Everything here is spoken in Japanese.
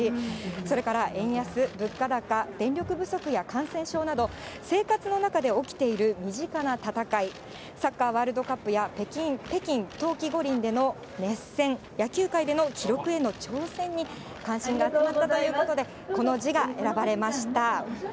それから円安、物価高、電力不足や感染症など、生活の中で起きている身近な戦い、サッカーワールドカップや北京冬季五輪での熱戦、野球界での記録への挑戦に関心が集まったということで、この字が選ばれました。